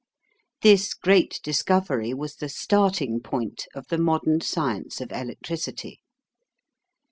This great discovery was the starting point of the modern science of electricity.